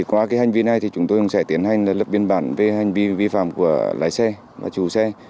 qua hành vi này chúng tôi sẽ tiến hành lập biên bản vi phạm của lái xe và chủ xe